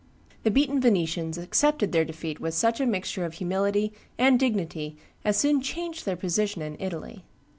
The beaten Venetians accepted their defeat with such a mixture of humility and dignity as soon changed their position in Italy.